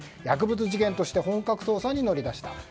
薬物事件として本格捜査に乗り出した。